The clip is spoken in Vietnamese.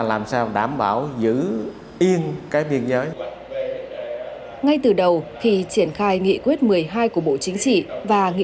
làm sao đảm bảo giữ yên cái biên giới ngay từ đầu khi triển khai nghị quyết một mươi hai của bộ chính trị và nghị